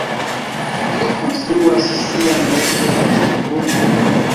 Ili konstruas sian neston surgrunde.